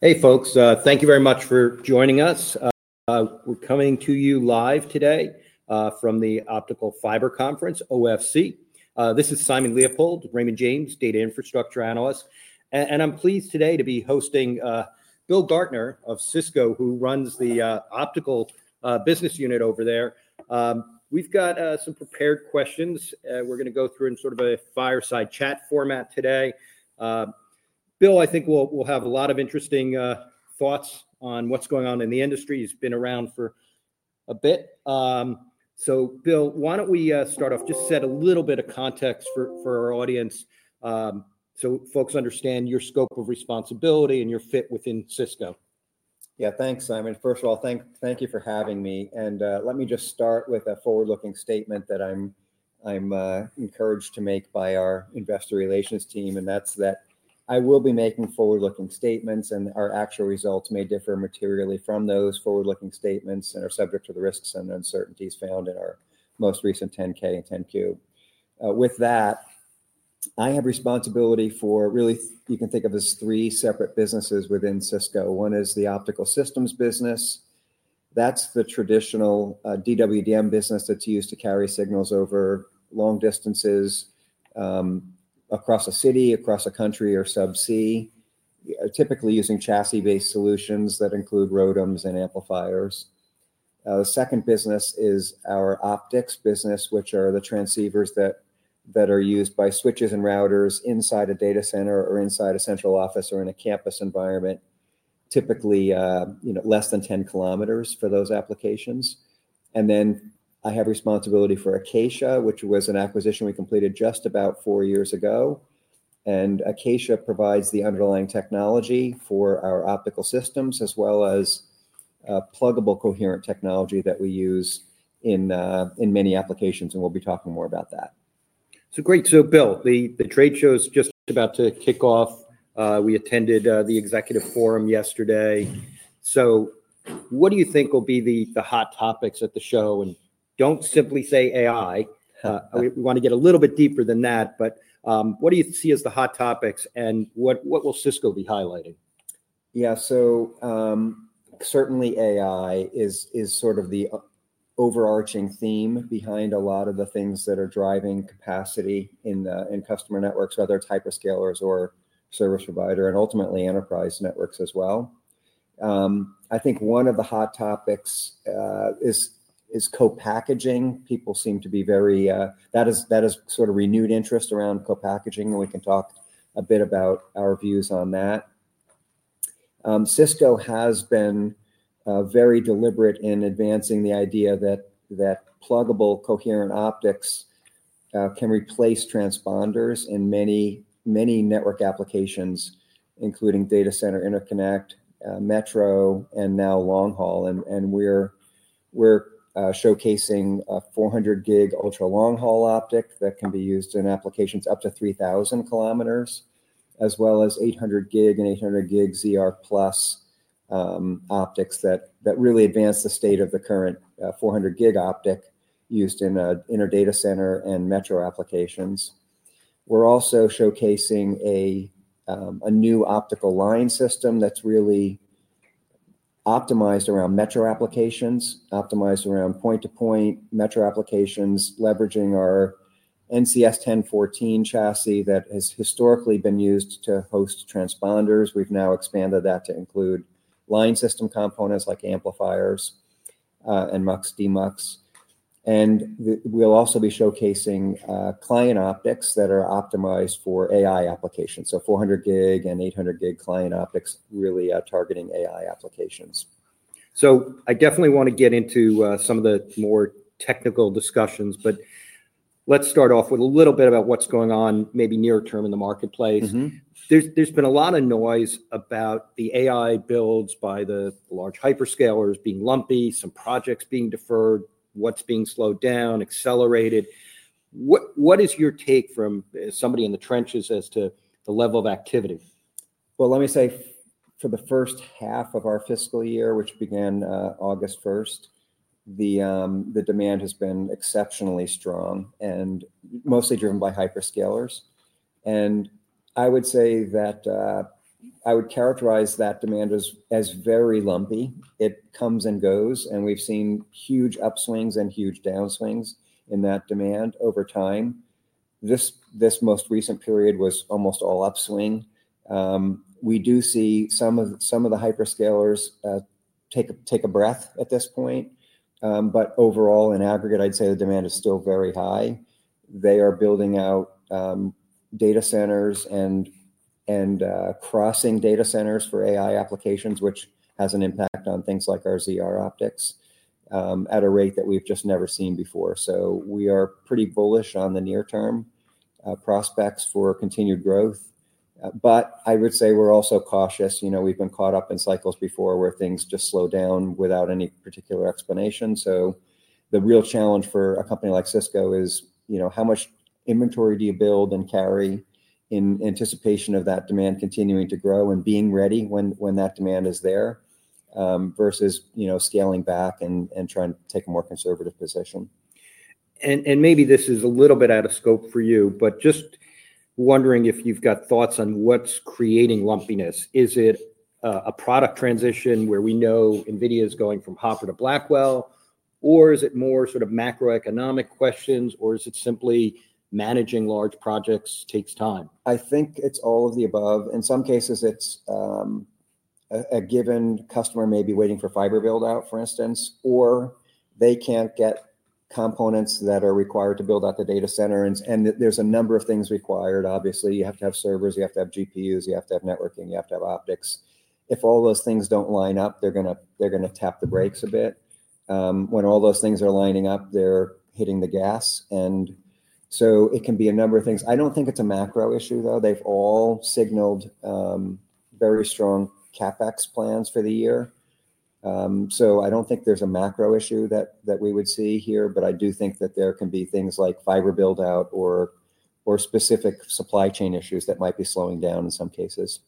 Hey, folks, thank you very much for joining us. We're coming to you live today from the Optical Fiber Conference, OFC. This is Simon Leopold, Raymond James, Data Infrastructure Analyst. I'm pleased today to be hosting Bill Gartner of Cisco, who runs the Optical Business Unit over there. We've got some prepared questions. We're going to go through in sort of a fireside chat format today. Bill, I think we'll have a lot of interesting thoughts on what's going on in the industry. He's been around for a bit. Bill, why don't we start off? Just set a little bit of context for our audience so folks understand your scope of responsibility and your fit within Cisco. Yeah, thanks, Simon. First of all, thank you for having me. Let me just start with a forward-looking statement that I'm encouraged to make by our investor relations team. That's that I will be making forward-looking statements, and our actual results may differ materially from those forward-looking statements and are subject to the risks and uncertainties found in our most recent 10K and 10Q. With that, I have responsibility for, really, you can think of as three separate businesses within Cisco. One is the Optical Systems Business. That's the traditional DWDM business that's used to carry signals over long distances across a city, across a country, or subsea, typically using chassis-based solutions that include ROADMs and amplifiers. The second business is our optics business, which are the transceivers that are used by switches and routers inside a data center or inside a central office or in a campus environment, typically less than 10 km for those applications. I have responsibility for Acacia, which was an acquisition we completed just about four years ago. Acacia provides the underlying technology for our optical systems, as well as pluggable coherent technology that we use in many applications. We will be talking more about that. Great. Bill, the trade show is just about to kick off. We attended the executive forum yesterday. What do you think will be the hot topics at the show? Do not simply say AI. We want to get a little bit deeper than that. What do you see as the hot topics? What will Cisco be highlighting? Yeah, so certainly AI is sort of the overarching theme behind a lot of the things that are driving capacity in customer networks, whether it's hyperscalers or service providers, and ultimately enterprise networks as well. I think one of the hot topics is co-packaging. People seem to be very, that has sort of renewed interest around co-packaging. We can talk a bit about our views on that. Cisco has been very deliberate in advancing the idea that pluggable coherent optics can replace transponders in many, many network applications, including data center interconnect, metro, and now long haul. We are showcasing a 400 gig ultra long haul optic that can be used in applications up to 3,000 km, as well as 800 gig and 800 gig ZR+ optics that really advance the state of the current 400 gig optic used in our inner data center and metro applications. We're also showcasing a new optical line system that's really optimized around metro applications, optimized around point-to-point metro applications, leveraging our NCS 1014 chassis that has historically been used to host transponders. We've now expanded that to include line system components like amplifiers and mux/demux. We'll also be showcasing client optics that are optimized for AI applications. 400 gig and 800 gig client optics really are targeting AI applications. I definitely want to get into some of the more technical discussions. Let's start off with a little bit about what's going on maybe near term in the marketplace. There's been a lot of noise about the AI builds by the large hyperscalers being lumpy, some projects being deferred, what's being slowed down, accelerated. What is your take from somebody in the trenches as to the level of activity? For the first half of our fiscal year, which began August first, the demand has been exceptionally strong and mostly driven by hyperscalers. I would say that I would characterize that demand as very lumpy. It comes and goes. We have seen huge upswings and huge downswings in that demand over time. This most recent period was almost all upswing. We do see some of the hyperscalers take a breath at this point. Overall, in aggregate, I would say the demand is still very high. They are building out data centers and crossing data centers for AI applications, which has an impact on things like our ZR optics at a rate that we have just never seen before. We are pretty bullish on the near-term prospects for continued growth. I would say we are also cautious. We've been caught up in cycles before where things just slow down without any particular explanation. The real challenge for a company like Cisco is how much inventory do you build and carry in anticipation of that demand continuing to grow and being ready when that demand is there versus scaling back and trying to take a more conservative position. Maybe this is a little bit out of scope for you, but just wondering if you've got thoughts on what's creating lumpiness. Is it a product transition where we know NVIDIA is going from Hopper to Blackwell, or is it more sort of macroeconomic questions, or is it simply managing large projects takes time? I think it's all of the above. In some cases, it's a given customer may be waiting for fiber build-out, for instance, or they can't get components that are required to build out the data center. And there's a number of things required, obviously. You have to have servers. You have to have GPUs. You have to have networking. You have to have optics. If all those things don't line up, they're going to tap the brakes a bit. When all those things are lining up, they're hitting the gas. It can be a number of things. I don't think it's a macro issue, though. They've all signaled very strong CapEx plans for the year. I don't think there's a macro issue that we would see here. I do think that there can be things like fiber build-out or specific supply chain issues that might be slowing down in some cases.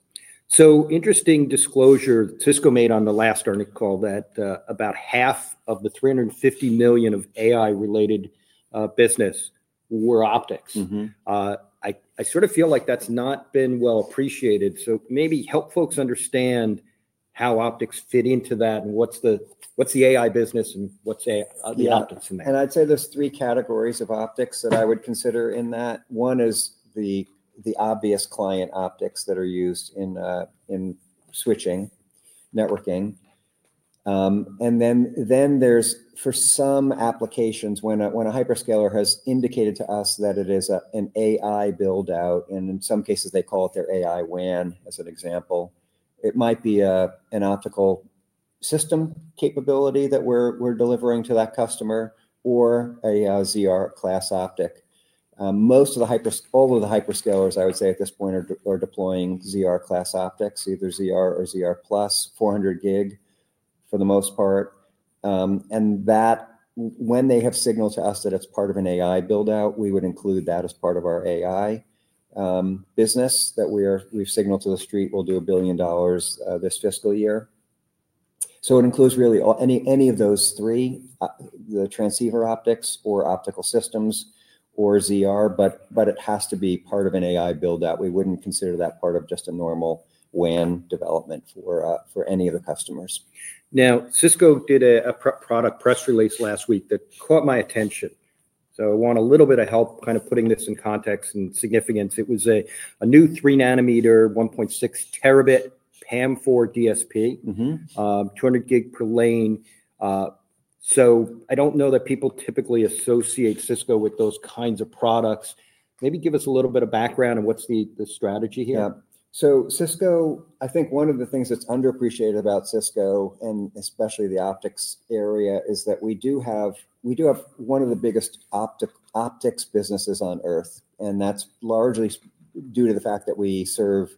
Interesting disclosure Cisco made on the last article that about half of the $350 million of AI-related business were optics. I sort of feel like that's not been well appreciated. Maybe help folks understand how optics fit into that and what's the AI business and what's the optics in that. I'd say there's three categories of optics that I would consider in that. One is the obvious client optics that are used in switching, networking. For some applications, when a hyperscaler has indicated to us that it is an AI build-out, and in some cases, they call it their AI WAN, as an example, it might be an optical system capability that we're delivering to that customer or a ZR class optic. All of the hyperscalers, I would say, at this point are deploying ZR class optics, either ZR or ZR+ 400 gig for the most part. When they have signaled to us that it's part of an AI build-out, we would include that as part of our AI business that we've signaled to the street we'll do a billion dollars this fiscal year. It includes really any of those three, the transceiver optics or optical systems or ZR. It has to be part of an AI build-out. We would not consider that part of just a normal WAN development for any of the customers. Now, Cisco did a product press release last week that caught my attention. I want a little bit of help kind of putting this in context and significance. It was a new 3-nm 1.6 Tb PAM4 DSP, 200 gig per lane. I do not know that people typically associate Cisco with those kinds of products. Maybe give us a little bit of background and what is the strategy here. Yeah. Cisco, I think one of the things that's underappreciated about Cisco, and especially the optics area, is that we do have one of the biggest optics businesses on earth. That's largely due to the fact that we serve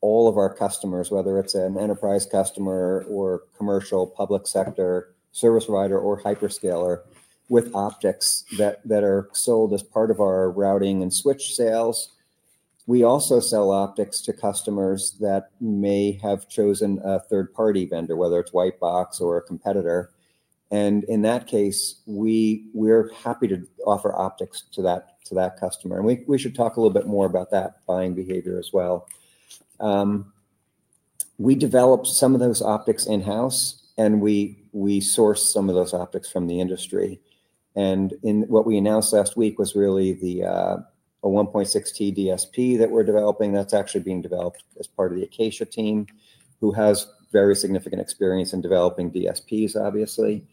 all of our customers, whether it's an enterprise customer or commercial, public sector, service provider, or hyperscaler with optics that are sold as part of our routing and switch sales. We also sell optics to customers that may have chosen a third-party vendor, whether it's Whitebox or a competitor. In that case, we're happy to offer optics to that customer. We should talk a little bit more about that buying behavior as well. We developed some of those optics in-house, and we source some of those optics from the industry. What we announced last week was really a 1.6T DSP that we're developing. That's actually being developed as part of the Acacia team, who has very significant experience in developing DSPs, obviously.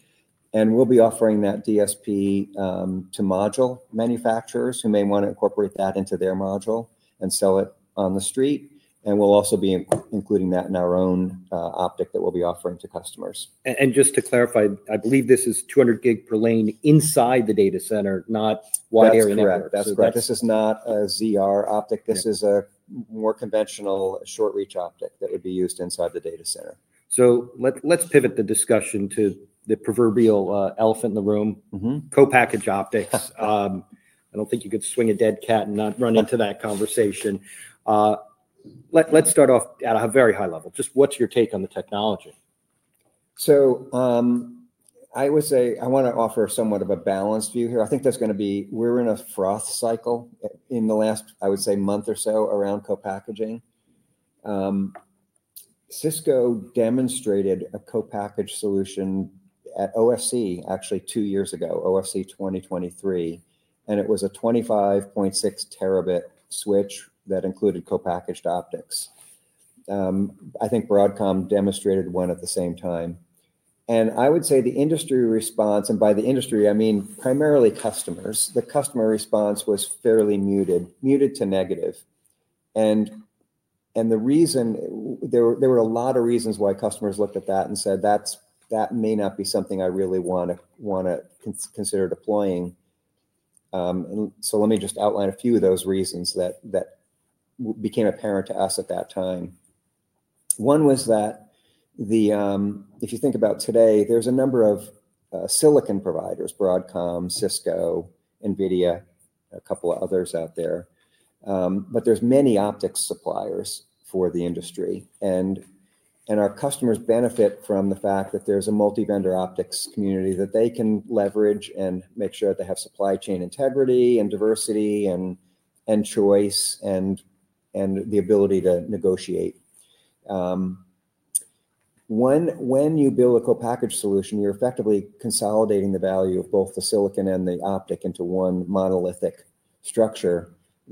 We will be offering that DSP to module manufacturers who may want to incorporate that into their module and sell it on the street. We will also be including that in our own optic that we will be offering to customers. Just to clarify, I believe this is 200 gig per lane inside the data center, not wide area network. That's correct. This is not a ZR optic. This is a more conventional short-reach optic that would be used inside the data center. Let's pivot the discussion to the proverbial elephant in the room, co-package optics. I don't think you could swing a dead cat and not run into that conversation. Let's start off at a very high level. Just what's your take on the technology? I want to offer somewhat of a balanced view here. I think there's going to be, we're in a froth cycle in the last, I would say, month or so around co-packaging. Cisco demonstrated a co-package solution at OFC, actually two years ago, OFC 2023. It was a 25.6 Tb switch that included co-packaged optics. I think Broadcom demonstrated one at the same time. I would say the industry response, and by the industry, I mean primarily customers, the customer response was fairly muted, muted to negative. There were a lot of reasons why customers looked at that and said, "That may not be something I really want to consider deploying." Let me just outline a few of those reasons that became apparent to us at that time. One was that if you think about today, there's a number of silicon providers, Broadcom, Cisco, NVIDIA, a couple of others out there. There's many optics suppliers for the industry. Our customers benefit from the fact that there's a multi-vendor optics community that they can leverage and make sure that they have supply chain integrity and diversity and choice and the ability to negotiate. When you build a co-package solution, you're effectively consolidating the value of both the silicon and the optic into one monolithic structure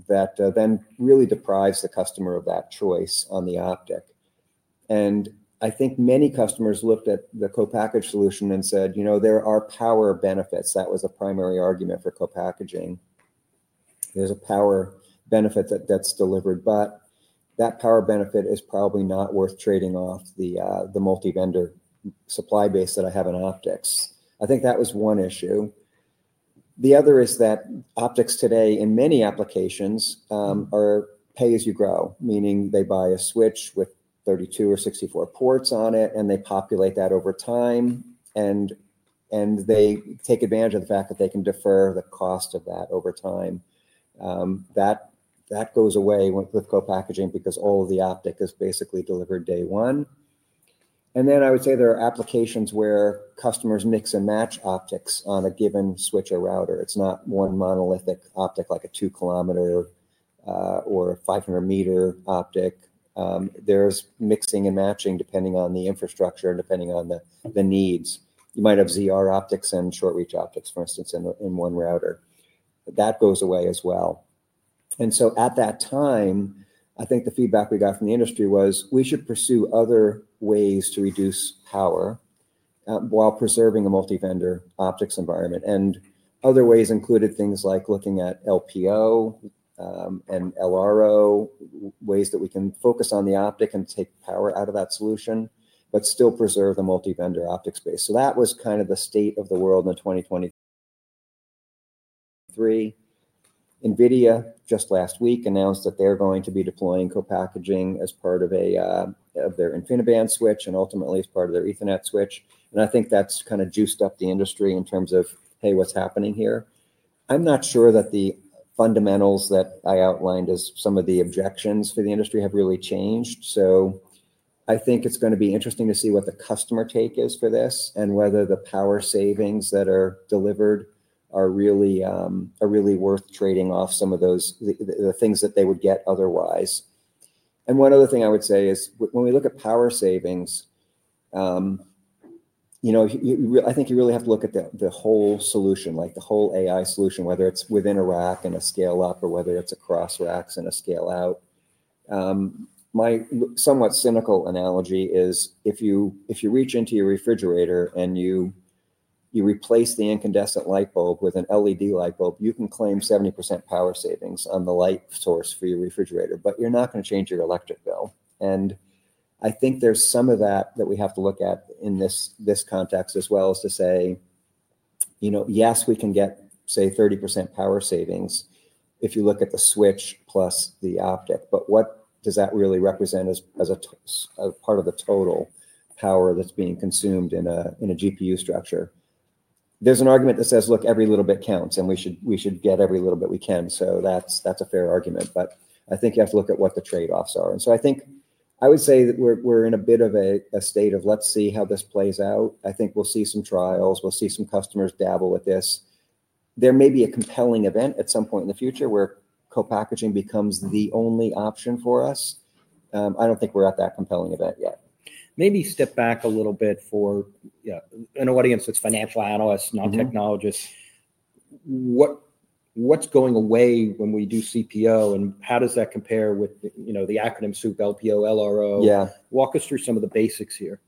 that then really deprives the customer of that choice on the optic. I think many customers looked at the co-package solution and said, "You know, there are power benefits." That was a primary argument for co-packaging. There's a power benefit that's delivered. That power benefit is probably not worth trading off the multi-vendor supply base that I have in optics. I think that was one issue. The other is that optics today, in many applications, are pay as you grow, meaning they buy a switch with 32 or 64 ports on it, and they populate that over time. They take advantage of the fact that they can defer the cost of that over time. That goes away with co-packaging because all of the optic is basically delivered day one. I would say there are applications where customers mix and match optics on a given switch or router. It's not one monolithic optic like a 2 km or 500 m optic. There's mixing and matching depending on the infrastructure and depending on the needs. You might have ZR optics and short-reach optics, for instance, in one router. That goes away as well. At that time, I think the feedback we got from the industry was we should pursue other ways to reduce power while preserving a multi-vendor optics environment. Other ways included things like looking at LPO and LRO, ways that we can focus on the optic and take power out of that solution but still preserve the multi-vendor optics base. That was kind of the state of the world in 2023. NVIDIA, just last week, announced that they're going to be deploying co-packaging as part of their InfiniBand switch and ultimately as part of their Ethernet switch. I think that's kind of juiced up the industry in terms of, "Hey, what's happening here?" I'm not sure that the fundamentals that I outlined as some of the objections for the industry have really changed. I think it's going to be interesting to see what the customer take is for this and whether the power savings that are delivered are really worth trading off some of the things that they would get otherwise. One other thing I would say is when we look at power savings, I think you really have to look at the whole solution, like the whole AI solution, whether it's within a rack and a scale-up or whether it's across racks and a scale-out. My somewhat cynical analogy is if you reach into your refrigerator and you replace the incandescent light bulb with an LED light bulb, you can claim 70% power savings on the light source for your refrigerator, but you're not going to change your electric bill. I think there's some of that that we have to look at in this context as well as to say, yes, we can get, say, 30% power savings if you look at the switch plus the optic. What does that really represent as a part of the total power that's being consumed in a GPU structure? There's an argument that says, "Look, every little bit counts, and we should get every little bit we can." That's a fair argument. I think you have to look at what the trade-offs are. I would say that we're in a bit of a state of, "Let's see how this plays out." I think we'll see some trials. We'll see some customers dabble with this. There may be a compelling event at some point in the future where co-packaging becomes the only option for us. I don't think we're at that compelling event yet. Maybe step back a little bit for an audience that's financial analysts, not technologists. What's going away when we do CPO, and how does that compare with the acronym CPO, LPO, LRO? Walk us through some of the basics here.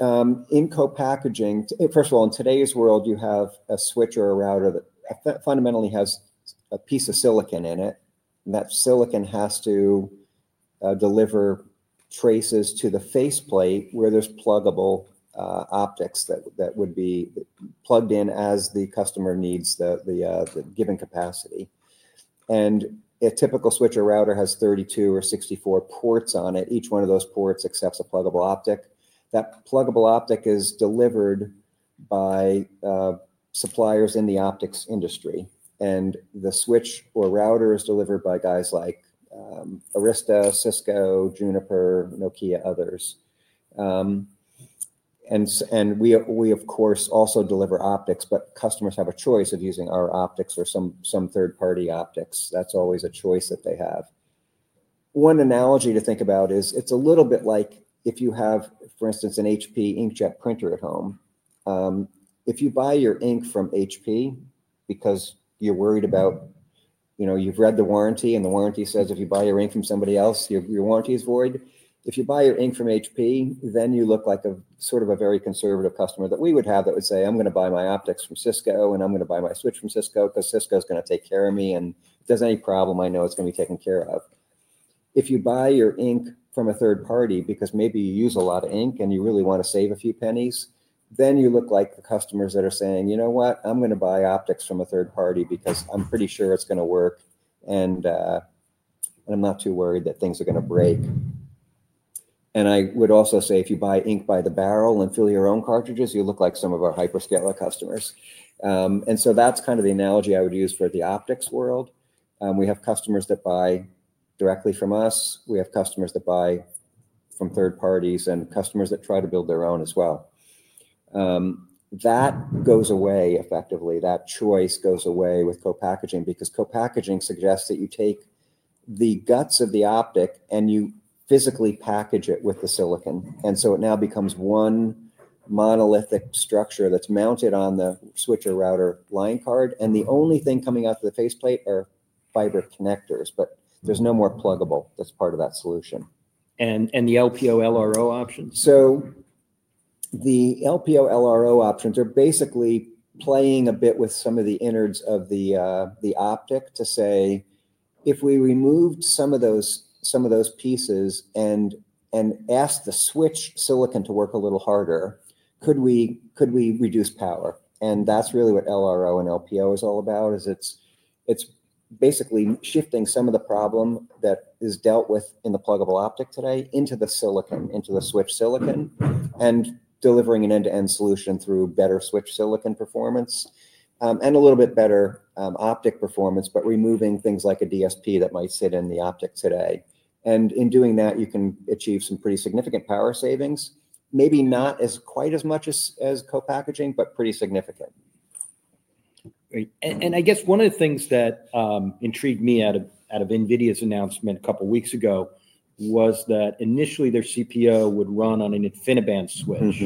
In co-packaging, first of all, in today's world, you have a switch or a router that fundamentally has a piece of silicon in it. That silicon has to deliver traces to the faceplate where there's pluggable optics that would be plugged in as the customer needs the given capacity. A typical switch or router has 32 or 64 ports on it. Each one of those ports accepts a pluggable optic. That pluggable optic is delivered by suppliers in the optics industry. The switch or router is delivered by guys like Arista, Cisco, Juniper, Nokia, others. We, of course, also deliver optics, but customers have a choice of using our optics or some third-party optics. That's always a choice that they have. One analogy to think about is it's a little bit like if you have, for instance, an HP inkjet printer at home. If you buy your ink from HP because you're worried about you've read the warranty and the warranty says if you buy your ink from somebody else, your warranty is void. If you buy your ink from HP, then you look like a sort of a very conservative customer that we would have that would say, "I'm going to buy my optics from Cisco, and I'm going to buy my switch from Cisco because Cisco is going to take care of me. And if there's any problem, I know it's going to be taken care of." If you buy your ink from a third party because maybe you use a lot of ink and you really want to save a few pennies, then you look like the customers that are saying, "You know what? I'm going to buy optics from a third party because I'm pretty sure it's going to work, and I'm not too worried that things are going to break. I would also say if you buy ink by the barrel and fill your own cartridges, you look like some of our hyperscaler customers. That's kind of the analogy I would use for the optics world. We have customers that buy directly from us. We have customers that buy from third parties and customers that try to build their own as well. That goes away effectively. That choice goes away with co-packaging because co-packaging suggests that you take the guts of the optic and you physically package it with the silicon. It now becomes one monolithic structure that's mounted on the switch or router line card. The only thing coming out of the faceplate are fiber connectors, but there's no more pluggable that's part of that solution. The LPO, LRO options? The LPO, LRO options are basically playing a bit with some of the innards of the optic to say, "If we removed some of those pieces and asked the switch silicon to work a little harder, could we reduce power?" That is really what LRO and LPO is all about, it is basically shifting some of the problem that is dealt with in the pluggable optic today into the silicon, into the switch silicon, and delivering an end-to-end solution through better switch silicon performance and a little bit better optic performance, but removing things like a DSP that might sit in the optic today. In doing that, you can achieve some pretty significant power savings, maybe not quite as much as co-packaging, but pretty significant. I guess one of the things that intrigued me out of NVIDIA's announcement a couple of weeks ago was that initially their CPO would run on an InfiniBand switch.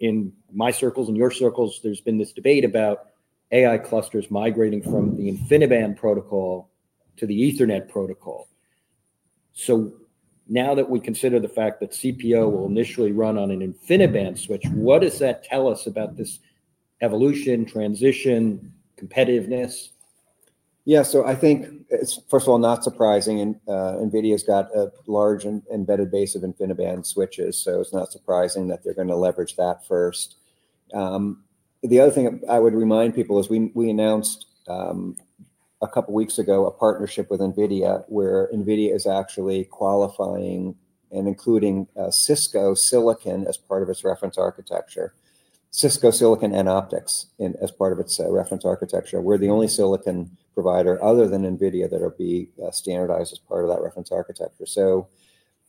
In my circles and your circles, there's been this debate about AI clusters migrating from the InfiniBand protocol to the Ethernet protocol. Now that we consider the fact that CPO will initially run on an InfiniBand switch, what does that tell us about this evolution, transition, competitiveness? Yeah. I think, first of all, not surprising. NVIDIA has got a large embedded base of InfiniBand switches. It is not surprising that they are going to leverage that first. The other thing I would remind people is we announced a couple of weeks ago a partnership with NVIDIA where NVIDIA is actually qualifying and including Cisco Silicon as part of its reference architecture, Cisco Silicon and Optics as part of its reference architecture. We are the only silicon provider other than NVIDIA that will be standardized as part of that reference architecture.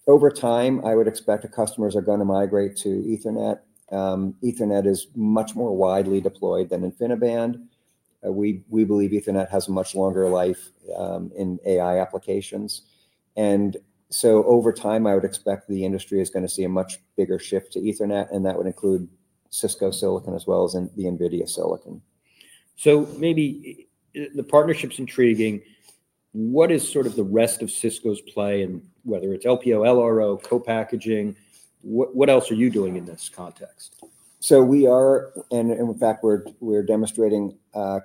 Over time, I would expect that customers are going to migrate to Ethernet. Ethernet is much more widely deployed than InfiniBand. We believe Ethernet has a much longer life in AI applications. Over time, I would expect the industry is going to see a much bigger shift to Ethernet. That would include Cisco Silicon as well as the NVIDIA Silicon. Maybe the partnership's intriguing. What is sort of the rest of Cisco's play in whether it's LPO, LRO, co-packaging? What else are you doing in this context? We are, in fact, demonstrating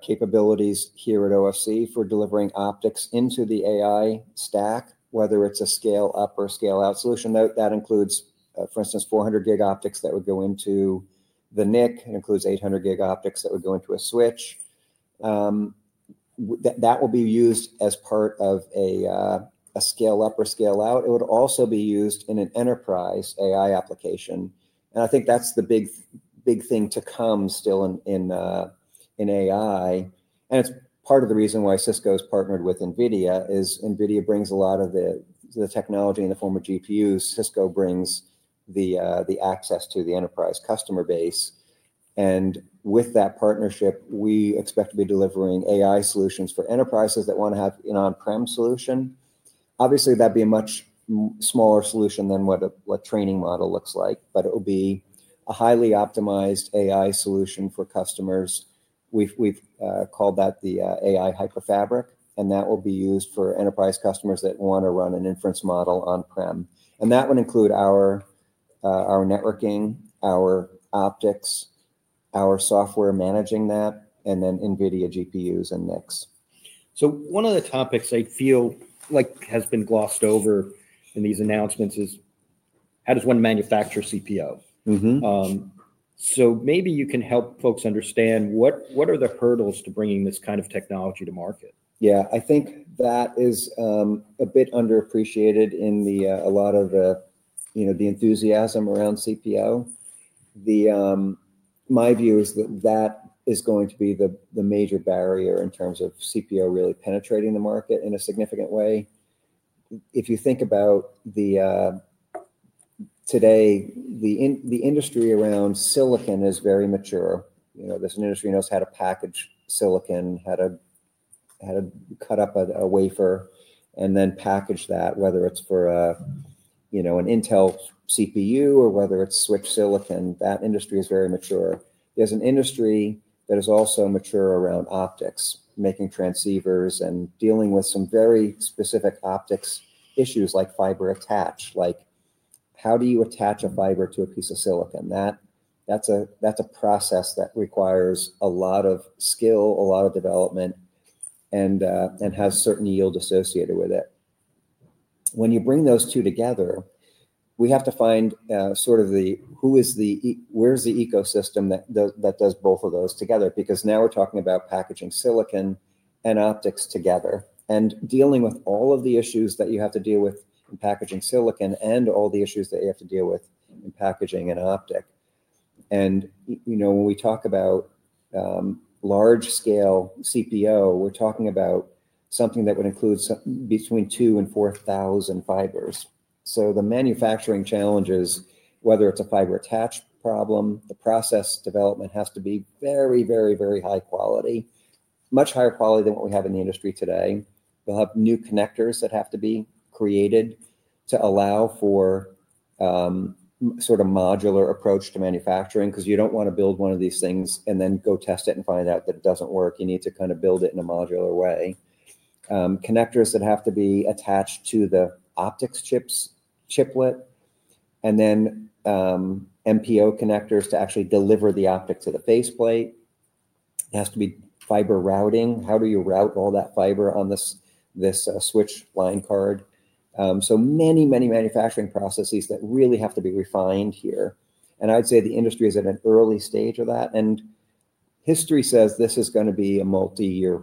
capabilities here at OFC for delivering optics into the AI stack, whether it's a scale-up or scale-out solution. That includes, for instance, 400 gig optics that would go into the NIC. It includes 800 gig optics that would go into a switch. That will be used as part of a scale-up or scale-out. It would also be used in an enterprise AI application. I think that's the big thing to come still in AI. It's part of the reason why Cisco has partnered with NVIDIA, as NVIDIA brings a lot of the technology in the form of GPUs. Cisco brings the access to the enterprise customer base. With that partnership, we expect to be delivering AI solutions for enterprises that want to have an on-prem solution. Obviously, that'd be a much smaller solution than what a training model looks like, but it will be a highly optimized AI solution for customers. We've called that the AI Hyperfabric. That will be used for enterprise customers that want to run an inference model on-prem. That would include our networking, our optics, our software managing that, and then NVIDIA GPUs and NICs. One of the topics I feel like has been glossed over in these announcements is how does one manufacture CPO? Maybe you can help folks understand what are the hurdles to bringing this kind of technology to market? Yeah. I think that is a bit underappreciated in a lot of the enthusiasm around CPO. My view is that that is going to be the major barrier in terms of CPO really penetrating the market in a significant way. If you think about today, the industry around silicon is very mature. There's an industry that knows how to package silicon, how to cut up a wafer, and then package that, whether it's for an Intel CPU or whether it's switch silicon. That industry is very mature. There's an industry that is also mature around optics, making transceivers and dealing with some very specific optics issues like fiber attach. Like how do you attach a fiber to a piece of silicon? That's a process that requires a lot of skill, a lot of development, and has certain yield associated with it. When you bring those two together, we have to find sort of where's the ecosystem that does both of those together because now we're talking about packaging silicon and optics together and dealing with all of the issues that you have to deal with in packaging silicon and all the issues that you have to deal with in packaging an optic. When we talk about large-scale CPO, we're talking about something that would include between 2,000 and 4,000 fibers. The manufacturing challenges, whether it's a fiber attach problem, the process development has to be very, very, very high quality, much higher quality than what we have in the industry today. We'll have new connectors that have to be created to allow for sort of modular approach to manufacturing because you don't want to build one of these things and then go test it and find out that it doesn't work. You need to kind of build it in a modular way. Connectors that have to be attached to the optics chiplet, and then MPO connectors to actually deliver the optic to the faceplate. It has to be fiber routing. How do you route all that fiber on this switch line card? So many, many manufacturing processes that really have to be refined here. I'd say the industry is at an early stage of that. History says this is going to be a multi-year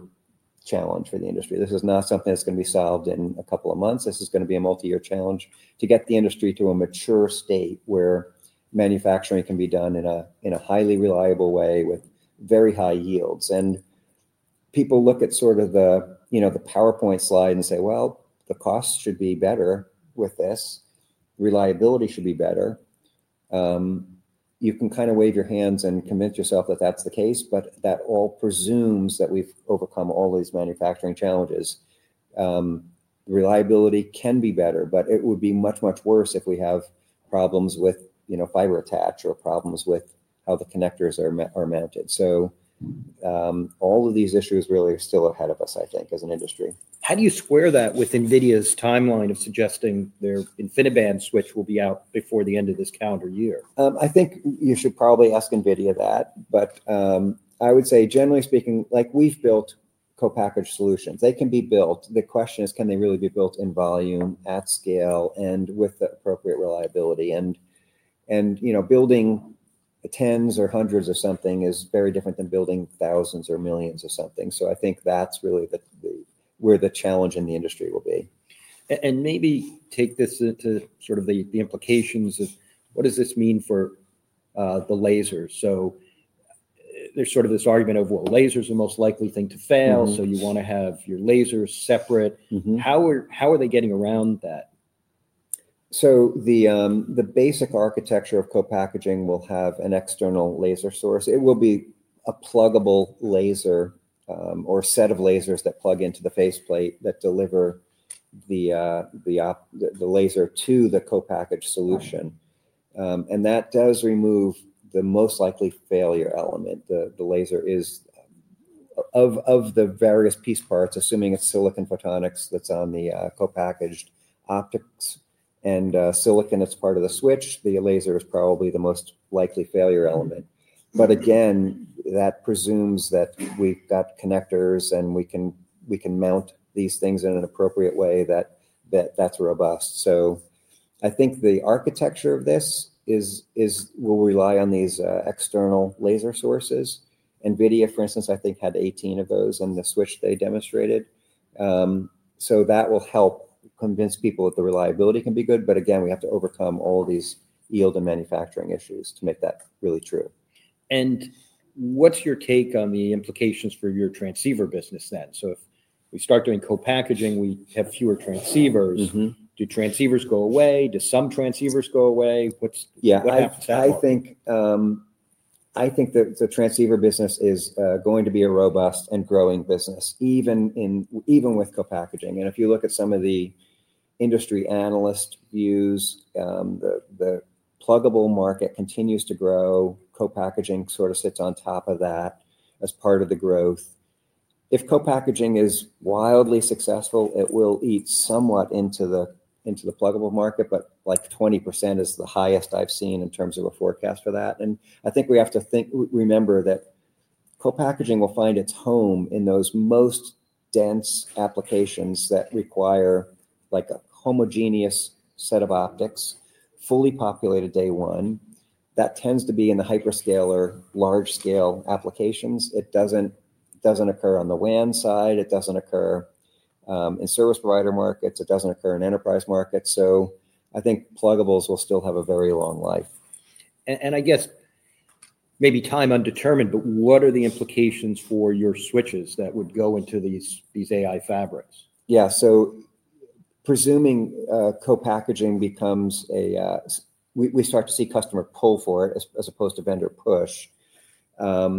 challenge for the industry. This is not something that's going to be solved in a couple of months. This is going to be a multi-year challenge to get the industry to a mature state where manufacturing can be done in a highly reliable way with very high yields. People look at sort of the PowerPoint slide and say, "Well, the cost should be better with this. Reliability should be better." You can kind of wave your hands and convince yourself that that's the case, but that all presumes that we've overcome all these manufacturing challenges. Reliability can be better, but it would be much, much worse if we have problems with fiber attach or problems with how the connectors are mounted. All of these issues really are still ahead of us, I think, as an industry. How do you square that with NVIDIA's timeline of suggesting their InfiniBand switch will be out before the end of this calendar year? I think you should probably ask NVIDIA that. I would say, generally speaking, we've built co-packaged solutions. They can be built. The question is, can they really be built in volume, at scale, and with the appropriate reliability? Building tens or hundreds of something is very different than building thousands or millions of something. I think that's really where the challenge in the industry will be. Maybe take this to sort of the implications of what does this mean for the lasers? There is sort of this argument of, well, lasers are the most likely thing to fail. You want to have your lasers separate. How are they getting around that? The basic architecture of co-packaging will have an external laser source. It will be a pluggable laser or a set of lasers that plug into the faceplate that deliver the laser to the co-packaged solution. That does remove the most likely failure element. The laser is, of the various piece parts, assuming it is silicon photonics that is on the co-packaged optics and silicon that is part of the switch, the laser is probably the most likely failure element. Again, that presumes that we have connectors and we can mount these things in an appropriate way that is robust. I think the architecture of this will rely on these external laser sources. NVIDIA, for instance, I think had 18 of those in the switch they demonstrated. That will help convince people that the reliability can be good. Again, we have to overcome all these yield and manufacturing issues to make that really true. What is your take on the implications for your transceiver business then? If we start doing co-packaging, we have fewer transceivers. Do transceivers go away? Do some transceivers go away? What is the life cycle? Yeah. I think the transceiver business is going to be a robust and growing business, even with co-packaging. If you look at some of the industry analyst views, the pluggable market continues to grow. Co-packaging sort of sits on top of that as part of the growth. If co-packaging is wildly successful, it will eat somewhat into the pluggable market, but like 20% is the highest I've seen in terms of a forecast for that. I think we have to remember that co-packaging will find its home in those most dense applications that require a homogeneous set of optics fully populated day one. That tends to be in the hyperscale or large-scale applications. It does not occur on the WAN side. It does not occur in service provider markets. It does not occur in enterprise markets. I think pluggables will still have a very long life. I guess maybe time undetermined, but what are the implications for your switches that would go into these AI fabrics? Yeah. Presuming co-packaging becomes a, we start to see customer pull for it as opposed to vendor push, that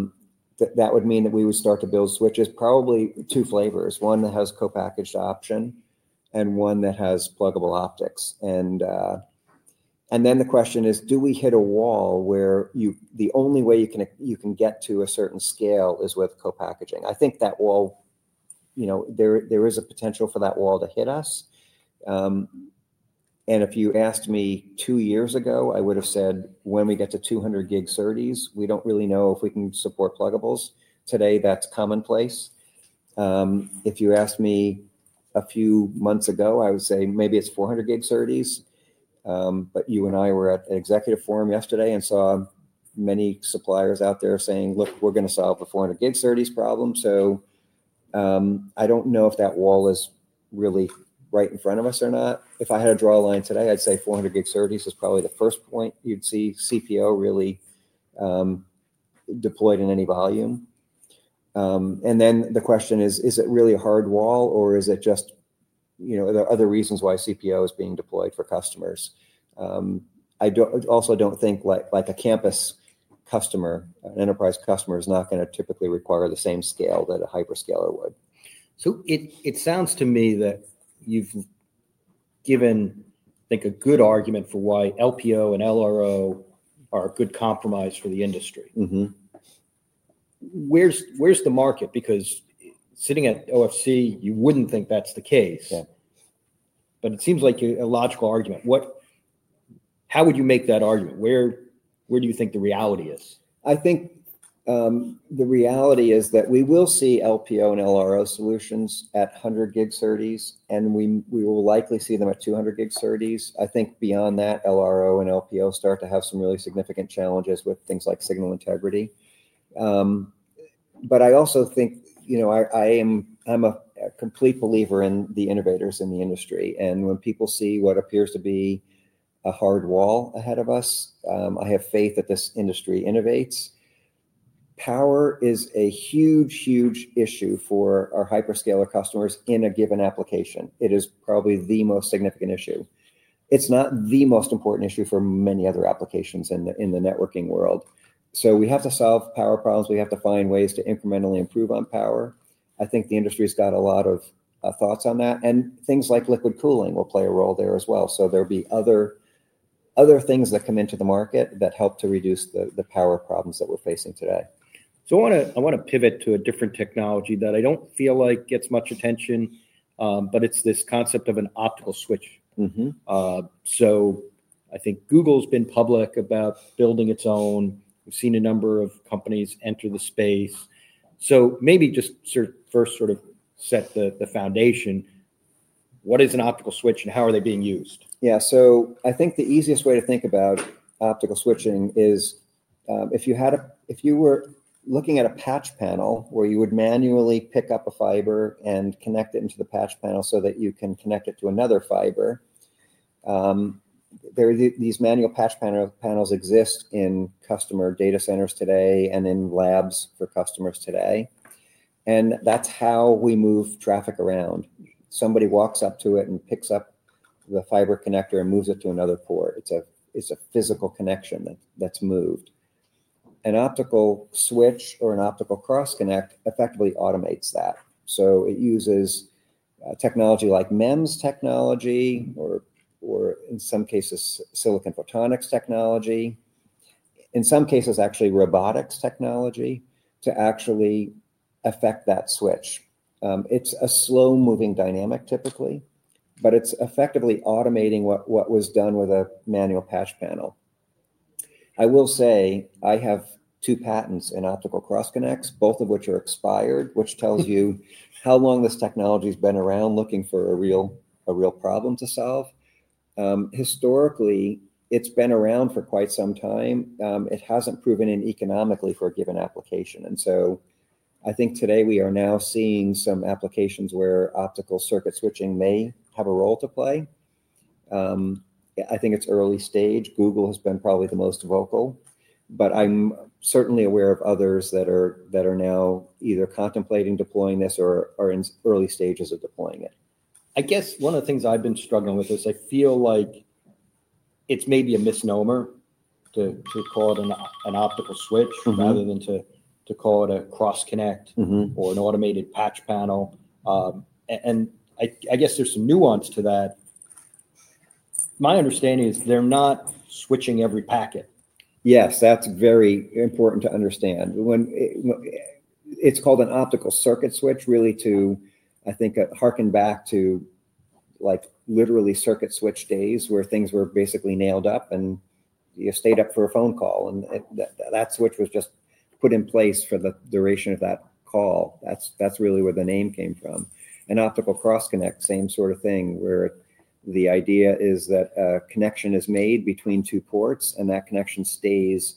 would mean that we would start to build switches, probably two flavors, one that has co-packaged option and one that has pluggable optics. The question is, do we hit a wall where the only way you can get to a certain scale is with co-packaging? I think that wall, there is a potential for that wall to hit us. If you asked me two years ago, I would have said when we get to 200 gig SerDes, we do not really know if we can support pluggables. Today, that is commonplace. If you asked me a few months ago, I would say maybe it is 400 gig SerDes. You and I were at an executive forum yesterday and saw many suppliers out there saying, "Look, we're going to solve the 400 gig SerDes problem." I do not know if that wall is really right in front of us or not. If I had to draw a line today, I would say 400 gig SerDes is probably the first point you would see CPO really deployed in any volume. The question is, is it really a hard wall or are there other reasons why CPO is being deployed for customers? I also do not think a campus customer, an enterprise customer is going to typically require the same scale that a hyperscaler would. It sounds to me that you've given, I think, a good argument for why LPO and LRO are a good compromise for the industry. Where's the market? Because sitting at OFC, you wouldn't think that's the case. It seems like a logical argument. How would you make that argument? Where do you think the reality is? I think the reality is that we will see LPO and LRO solutions at 100 gig SerDes, and we will likely see them at 200 gig SerDes. I think beyond that, LRO and LPO start to have some really significant challenges with things like signal integrity. I also think I'm a complete believer in the innovators in the industry. When people see what appears to be a hard wall ahead of us, I have faith that this industry innovates. Power is a huge, huge issue for our hyperscaler customers in a given application. It is probably the most significant issue. It's not the most important issue for many other applications in the networking world. We have to solve power problems. We have to find ways to incrementally improve on power. I think the industry has got a lot of thoughts on that. Things like liquid cooling will play a role there as well. There will be other things that come into the market that help to reduce the power problems that we're facing today. I want to pivot to a different technology that I don't feel like gets much attention, but it's this concept of an optical switch. I think Google's been public about building its own. We've seen a number of companies enter the space. Maybe just first sort of set the foundation. What is an optical switch and how are they being used? Yeah. I think the easiest way to think about optical switching is if you were looking at a patch panel where you would manually pick up a fiber and connect it into the patch panel so that you can connect it to another fiber. These manual patch panels exist in customer data centers today and in labs for customers today. That is how we move traffic around. Somebody walks up to it and picks up the fiber connector and moves it to another port. It is a physical connection that is moved. An optical switch or an optical cross-connect effectively automates that. It uses technology like MEMS technology or, in some cases, silicon photonics technology, in some cases, actually robotics technology to actually affect that switch. It is a slow-moving dynamic typically, but it is effectively automating what was done with a manual patch panel. I will say I have two patents in optical cross-connects, both of which are expired, which tells you how long this technology has been around looking for a real problem to solve. Historically, it's been around for quite some time. It hasn't proven in economically for a given application. I think today we are now seeing some applications where optical circuit switching may have a role to play. I think it's early stage. Google has been probably the most vocal. I am certainly aware of others that are now either contemplating deploying this or are in early stages of deploying it. I guess one of the things I've been struggling with is I feel like it's maybe a misnomer to call it an optical switch rather than to call it a cross-connect or an automated patch panel. I guess there's some nuance to that. My understanding is they're not switching every packet. Yes, that's very important to understand. It's called an optical circuit switch really to, I think, harken back to literally circuit switch days where things were basically nailed up and you stayed up for a phone call. That switch was just put in place for the duration of that call. That's really where the name came from. An optical cross-connect, same sort of thing where the idea is that a connection is made between two ports and that connection stays.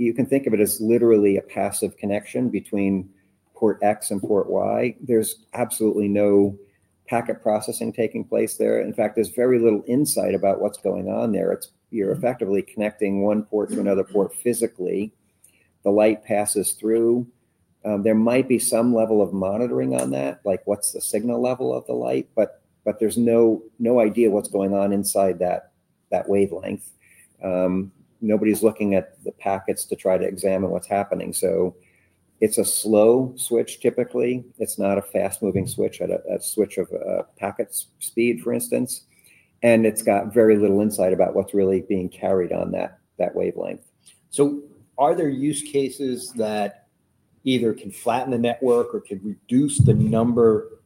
You can think of it as literally a passive connection between port X and port Y. There's absolutely no packet processing taking place there. In fact, there's very little insight about what's going on there. You're effectively connecting one port to another port physically. The light passes through. There might be some level of monitoring on that, like what's the signal level of the light, but there's no idea what's going on inside that wavelength. Nobody's looking at the packets to try to examine what's happening. It is a slow switch typically. It is not a fast-moving switch at a switch of packet speed, for instance. It has got very little insight about what's really being carried on that wavelength. Are there use cases that either can flatten the network or can reduce the number of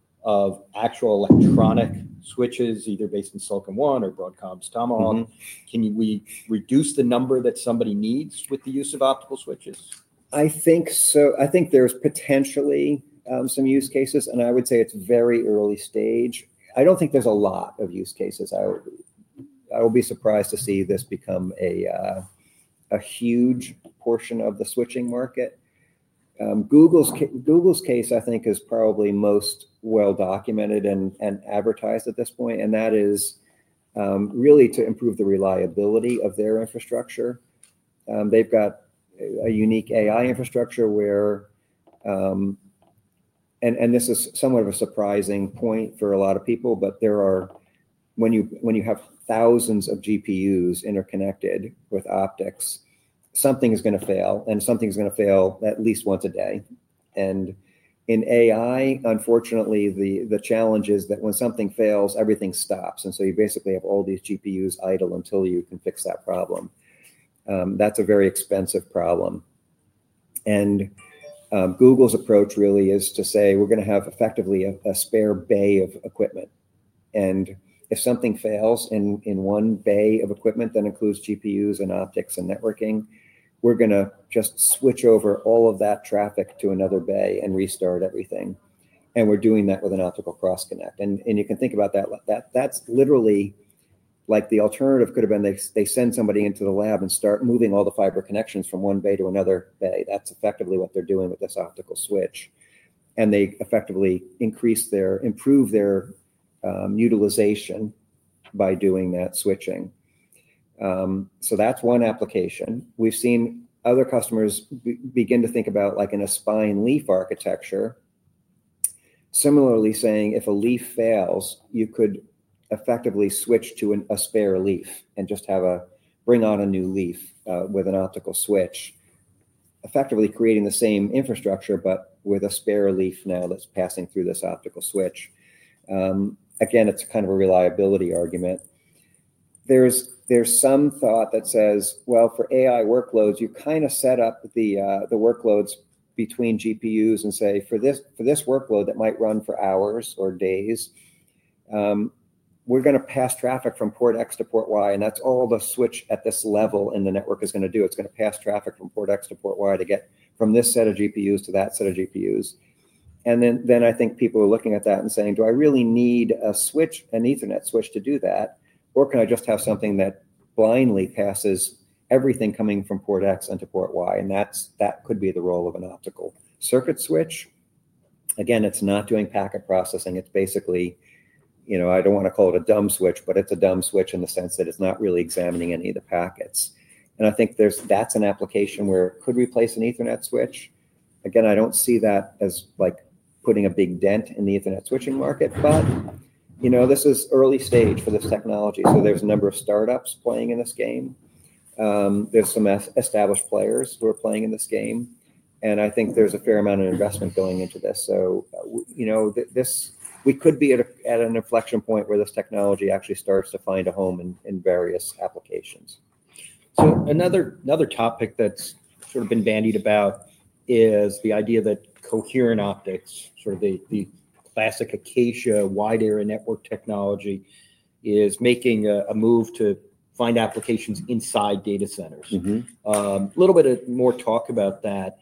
actual electronic switches, either based in Silicon One or Broadcom's Tomahawk? Can we reduce the number that somebody needs with the use of optical switches? I think so. I think there's potentially some use cases. I would say it's very early stage. I don't think there's a lot of use cases. I will be surprised to see this become a huge portion of the switching market. Google's case, I think, is probably most well-documented and advertised at this point. That is really to improve the reliability of their infrastructure. They've got a unique AI infrastructure where, and this is somewhat of a surprising point for a lot of people, but when you have thousands of GPUs interconnected with optics, something is going to fail. Something's going to fail at least once a day. In AI, unfortunately, the challenge is that when something fails, everything stops. You basically have all these GPUs idle until you can fix that problem. That's a very expensive problem. Google's approach really is to say, we're going to have effectively a spare bay of equipment. If something fails in one bay of equipment that includes GPUs and optics and networking, we're going to just switch over all of that traffic to another bay and restart everything. We're doing that with an optical cross-connect. You can think about that. That's literally like the alternative could have been they send somebody into the lab and start moving all the fiber connections from one bay to another bay. That's effectively what they're doing with this optical switch. They effectively improve their utilization by doing that switching. That is one application. We've seen other customers begin to think about like an a spine-leaf architecture, similarly saying if a leaf fails, you could effectively switch to a spare leaf and just bring on a new leaf with an optical switch, effectively creating the same infrastructure, but with a spare leaf now that's passing through this optical switch. Again, it's kind of a reliability argument. There's some thought that says, well, for AI workloads, you kind of set up the workloads between GPUs and say, for this workload that might run for hours or days, we're going to pass traffic from port X to port Y. And that's all the switch at this level in the network is going to do. It's going to pass traffic from port X to port Y to get from this set of GPUs to that set of GPUs. I think people are looking at that and saying, do I really need a switch, an Ethernet switch to do that? Or can I just have something that blindly passes everything coming from port X into port Y? That could be the role of an optical circuit switch. Again, it's not doing packet processing. It's basically, I don't want to call it a dumb switch, but it's a dumb switch in the sense that it's not really examining any of the packets. I think that's an application where it could replace an Ethernet switch. Again, I don't see that as putting a big dent in the Ethernet switching market, but this is early stage for this technology. There's a number of startups playing in this game. There are some established players who are playing in this game. I think there's a fair amount of investment going into this. We could be at an inflection point where this technology actually starts to find a home in various applications. Another topic that's sort of been bandied about is the idea that Coherent Optics, sort of the classic Acacia wide area network technology, is making a move to find applications inside data centers. A little bit more talk about that.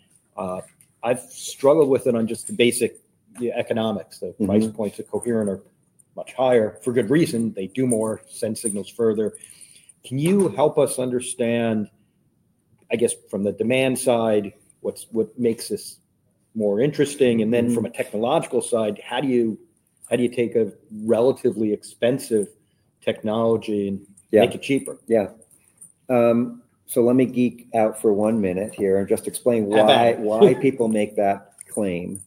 I've struggled with it on just the basic economics. The price points of Coherent are much higher for good reason. They do more, send signals further. Can you help us understand, I guess, from the demand side, what makes this more interesting? And then from a technological side, how do you take a relatively expensive technology and make it cheaper?F Yeah. Let me geek out for one minute here and just explain why people make that claim.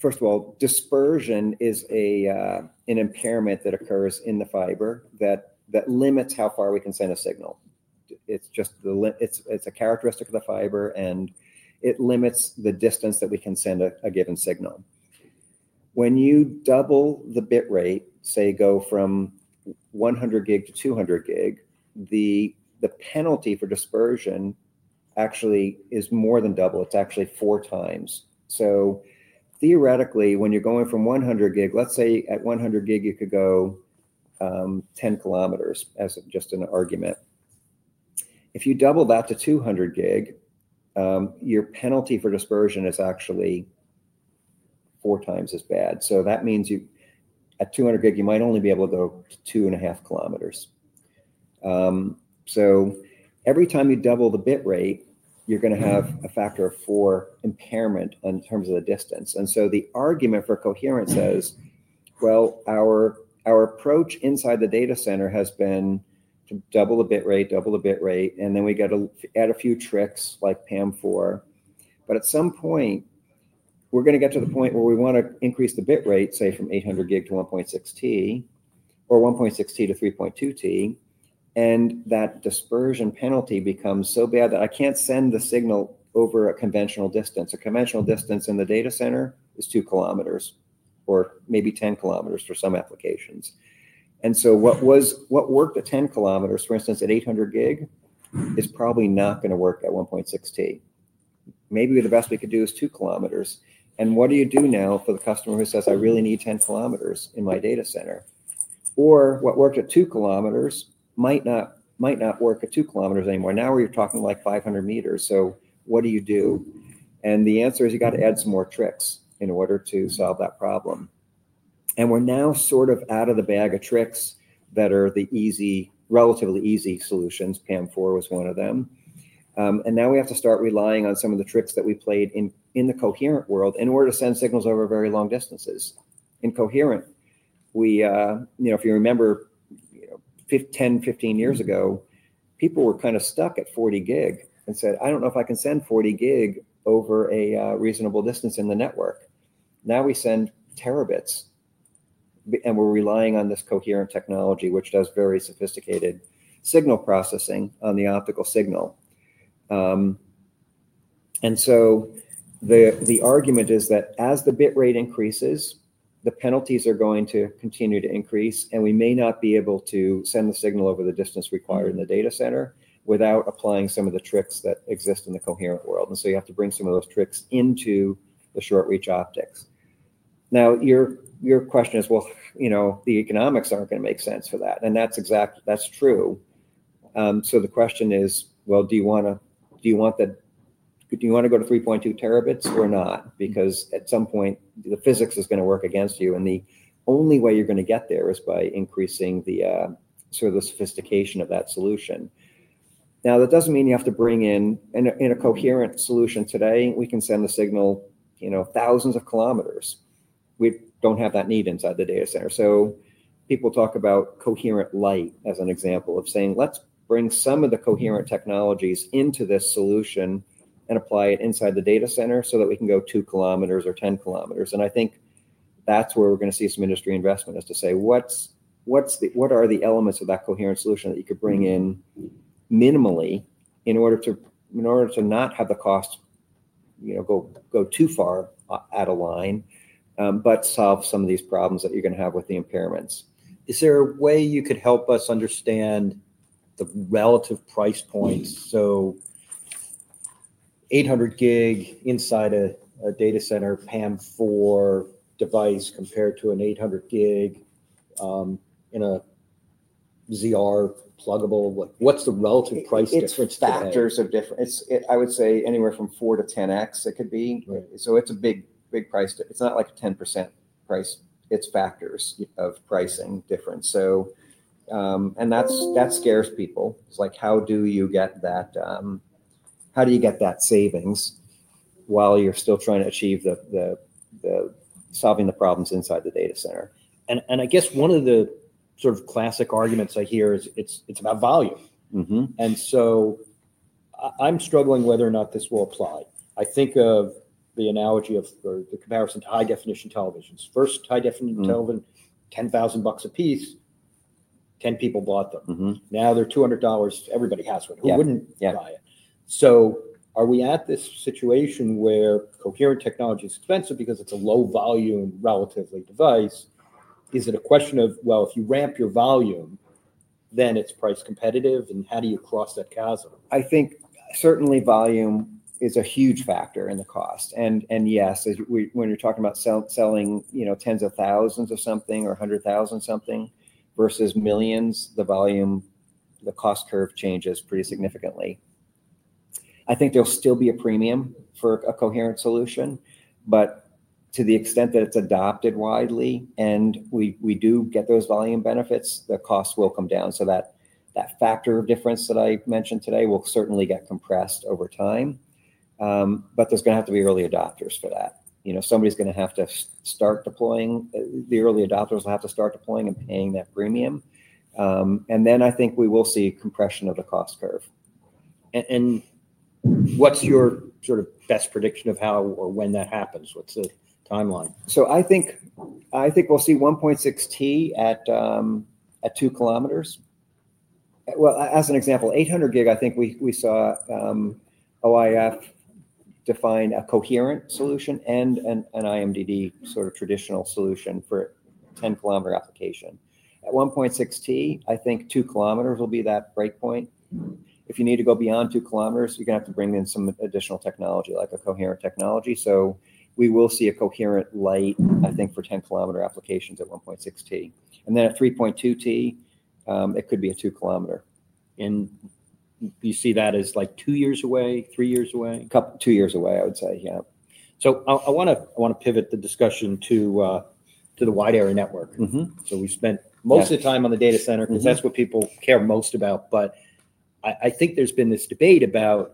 First of all, dispersion is an impairment that occurs in the fiber that limits how far we can send a signal. It's a characteristic of the fiber, and it limits the distance that we can send a given signal. When you double the bit rate, say go from 100 gig to 200 gig, the penalty for dispersion actually is more than double. It's actually four times. Theoretically, when you're going from 100 gig, let's say at 100 gig, you could go 10 km as just an argument. If you double that to 200 gig, your penalty for dispersion is actually four times as bad. That means at 200 gig, you might only be able to go two and a half kmilometers. Every time you double the bit rate, you're going to have a factor of four impairment in terms of the distance. The argument for Coherent says, our approach inside the data center has been to double the bit rate, double the bit rate, and then we got to add a few tricks like PAM4. At some point, we're going to get to the point where we want to increase the bit rate, say from 800 gig to 1.6T or 1.6T to 3.2T. That dispersion penalty becomes so bad that I can't send the signal over a conventional distance. A conventional distance in the data center is 2 km or maybe 10 km for some applications. What worked at 10 km, for instance, at 800 gig is probably not going to work at 1.6T. Maybe the best we could do is 2 km. What do you do now for the customer who says, I really need 10 km in my data center? Or what worked at 2 km might not work at 2 km anymore. Now we're talking like 500 m. What do you do? The answer is you got to add some more tricks in order to solve that problem. We're now sort of out of the bag of tricks that are the relatively easy solutions. PAM4 was one of them. Now we have to start relying on some of the tricks that we played in the Coherent world in order to send signals over very long distances. In Coherent, if you remember 10, 15 years ago, people were kind of stuck at 40 gig and said, I don't know if I can send 40 gig over a reasonable distance in the network. Now we send terabits. We are relying on this Coherent technology, which does very sophisticated signal processing on the optical signal. The argument is that as the bit rate increases, the penalties are going to continue to increase. We may not be able to send the signal over the distance required in the data center without applying some of the tricks that exist in the Coherent world. You have to bring some of those tricks into the short-reach optics. Now your question is, the economics are not going to make sense for that. That is true. The question is, do you want to go to 3.2 Tb or not? At some point, the physics is going to work against you. The only way you are going to get there is by increasing sort of the sophistication of that solution. Now, that doesn't mean you have to bring in a Coherent solution today, we can send the signal thousands of kilometers. We don't have that need inside the data center. People talk about Coherent Light as an example of saying, let's bring some of the Coherent technologies into this solution and apply it inside the data center so that we can go 2 km or 10 km. I think that's where we're going to see some industry investment is to say, what are the elements of that Coherent solution that you could bring in minimally in order to not have the cost go too far out of line, but solve some of these problems that you're going to have with the impairments. Is there a way you could help us understand the relative price points? Eight hundred gig inside a data center PAM4 device compared to an 800 gig in a ZR pluggable, what's the relative price difference? It's factors of difference. I would say anywhere from 4-10X it could be. It's a big price. It's not like a 10% price. It's factors of pricing difference. That scares people. It's like, how do you get that? How do you get that savings while you're still trying to achieve solving the problems inside the data center? I guess one of the sort of classic arguments I hear is it's about volume. I'm struggling whether or not this will apply. I think of the analogy of the comparison to high-definition televisions. First, high-definition television, $10,000 a piece, 10 people bought them. Now they're $200. Everybody has one. Who wouldn't buy it? Are we at this situation where Coherent technology is expensive because it's a low-volume relatively device? Is it a question of, if you ramp your volume, then it's price competitive? How do you cross that chasm? I think certainly volume is a huge factor in the cost. Yes, when you're talking about selling tens of thousands of something or 100,000 something versus millions, the volume, the cost curve changes pretty significantly. I think there'll still be a premium for a Coherent solution. To the extent that it's adopted widely and we do get those volume benefits, the cost will come down. That factor of difference that I mentioned today will certainly get compressed over time. There's going to have to be early adopters for that. Somebody's going to have to start deploying. The early adopters will have to start deploying and paying that premium. I think we will see compression of the cost curve. What's your sort of best prediction of how or when that happens? What's the timeline? I think we'll see 1.6T at 2 km. As an example, 800 gig, I think we saw OIF define a Coherent solution and an IMDD sort of traditional solution for a 10-km application. At 1.6T, I think 2 km will be that breakpoint. If you need to go beyond 2 km, you're going to have to bring in some additional technology like a Coherent technology. We will see a Coherent Light, I think, for 10-km applications at 1.6T. Then at 3.2T, it could be a 2-kmr. You see that as like two years away, three years away? Two years away, I would say, yeah. I want to pivot the discussion to the wide area network. We spent most of the time on the data center because that's what people care most about. I think there's been this debate about,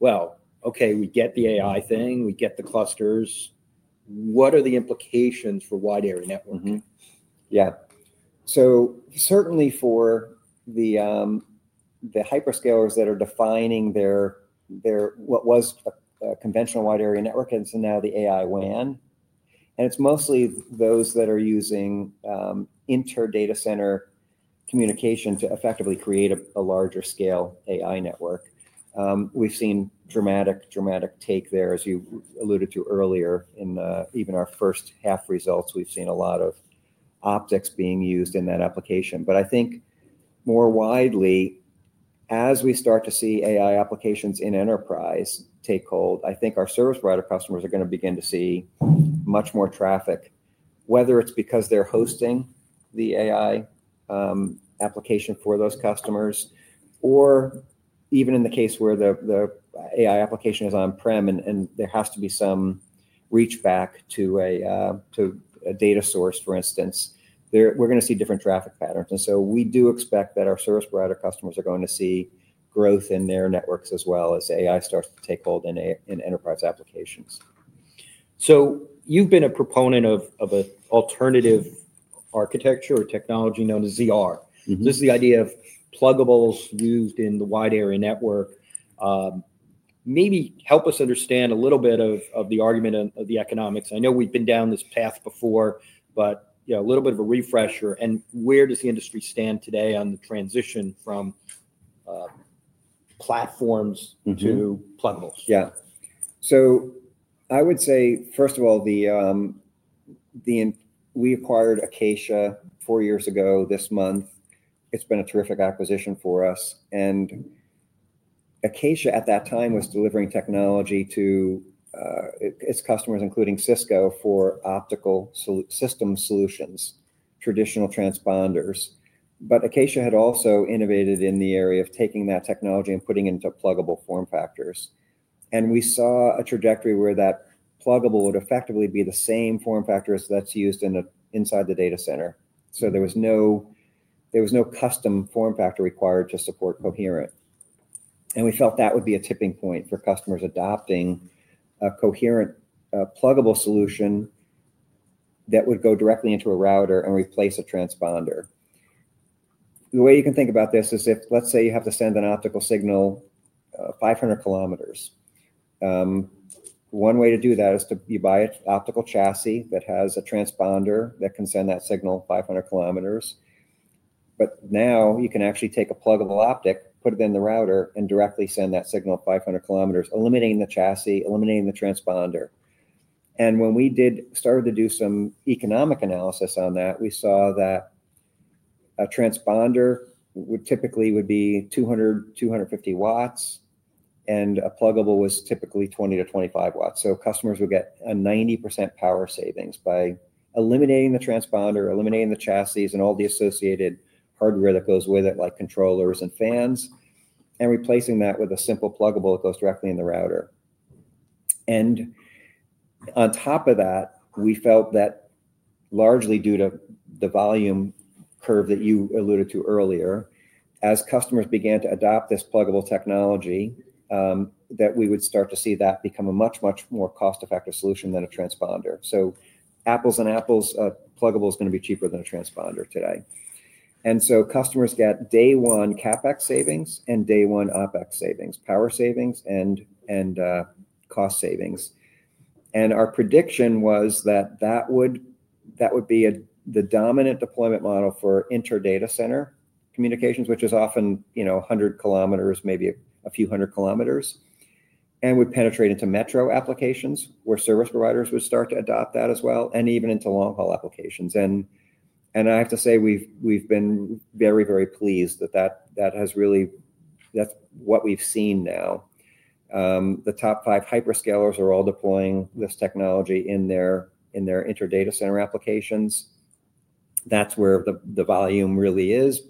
well, okay, we get the AI thing, we get the clusters. What are the implications for wide area networking? Yeah. Certainly for the hyperscalers that are defining what was a conventional wide area network and so now the AI WAN. It is mostly those that are using inter-data center communication to effectively create a larger scale AI network. We have seen dramatic, dramatic take there, as you alluded to earlier. In even our first half results, we have seen a lot of optics being used in that application. I think more widely, as we start to see AI applications in enterprise take hold, I think our service provider customers are going to begin to see much more traffic, whether it is because they are hosting the AI application for those customers, or even in the case where the AI application is on-prem and there has to be some reach back to a data source, for instance, we are going to see different traffic patterns. We do expect that our service provider customers are going to see growth in their networks as well as AI starts to take hold in enterprise applications. You have been a proponent of an alternative architecture or technology known as ZR. This is the idea of pluggables used in the wide area network. Maybe help us understand a little bit of the argument of the economics. I know we have been down this path before, but a little bit of a refresher. Where does the industry stand today on the transition from platforms to pluggables? Yeah. I would say, first of all, we acquired Acacia four years ago this month. It's been a terrific acquisition for us. Acacia at that time was delivering technology to its customers, including Cisco, for optical system solutions, traditional transponders. Acacia had also innovated in the area of taking that technology and putting it into pluggable form factors. We saw a trajectory where that pluggable would effectively be the same form factor as that's used inside the data center. There was no custom form factor required to support Coherent. We felt that would be a tipping point for customers adopting a Coherent pluggable solution that would go directly into a router and replace a transponder. The way you can think about this is if, let's say, you have to send an optical signal 500 km. One way to do that is you buy an optical chassis that has a transponder that can send that signal 500 km. Now you can actually take a pluggable optic, put it in the router, and directly send that signal 500 km, eliminating the chassis, eliminating the transponder. When we started to do some economic analysis on that, we saw that a transponder typically would be 200-250 W, and a pluggable was typically 20-25 W. Customers would get a 90% power savings by eliminating the transponder, eliminating the chassis, and all the associated hardware that goes with it, like controllers and fans, and replacing that with a simple pluggable that goes directly in the router. On top of that, we felt that largely due to the volume curve that you alluded to earlier, as customers began to adopt this pluggable technology, we would start to see that become a much, much more cost-effective solution than a transponder. Apples and apples, a pluggable is going to be cheaper than a transponder today. Customers get day one CapEx savings and day one OpEx savings, power savings, and cost savings. Our prediction was that that would be the dominant deployment model for inter-data center communications, which is often 100 km, maybe a few hundred kilometers, and would penetrate into metro applications where service providers would start to adopt that as well, and even into long-haul applications. I have to say we've been very, very pleased that that has really—that's what we've seen now. The top five hyperscalers are all deploying this technology in their inter-data center applications. That is where the volume really is.